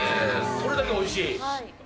それだけおいしい？